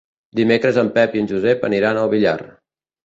Dimecres en Pep i en Josep aniran al Villar.